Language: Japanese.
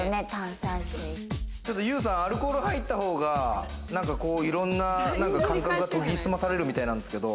ちょっとＹＯＵさん、アルコール入った方が、いろんな感覚が研ぎ澄まされるみたいなんですけど。